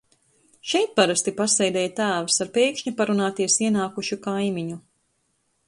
Šeit parasti pasēdēja tēvs ar pēkšņi parunāties ienākušu kaimiņu.